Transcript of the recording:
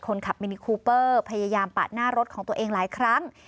มินิคูเปอร์พยายามปาดหน้ารถของตัวเองหลายครั้ง